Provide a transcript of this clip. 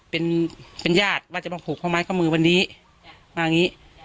เป็นเป็นญาติว่าจะมาผูกเขามาก็มือวันนี้มาอย่างงี้